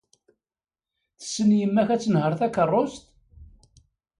Tessen yemma-k ad tenheṛ takeṛṛust?